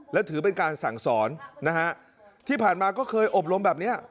แล้วถือเป็นการสั่งสอนนะฮะที่ผ่านมาก็เคยอบรมแบบนี้